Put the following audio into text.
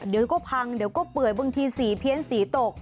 เดี๋ยวก็พังเดี๋ยวก็เปื่อยบางทีสีเพี้ยนสีตก